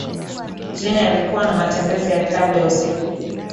Jeannie alikuwa na matembezi ya klabu ya usiku